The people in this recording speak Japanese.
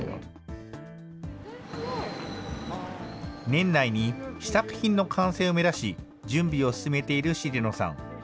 年内に試作品の完成を目指し、準備を進めている重野さん。